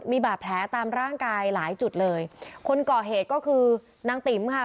มีบาดแผลตามร่างกายหลายจุดเลยคนก่อเหตุก็คือนางติ๋มค่ะ